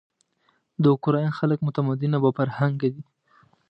د اوکراین خلک متمدن او با فرهنګه دي.